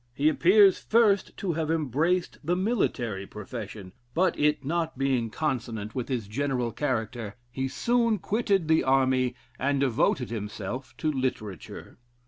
He appears first to have embraced the military profession, but it not being consonant with his general character, he soon quitted the army, and devoted himself to literature.